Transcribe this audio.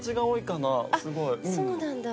あっそうなんだ。